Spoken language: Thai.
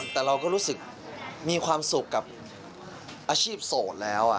แต่เราก็รู้สึกมีความสุขกับอาชีพโสดแล้ว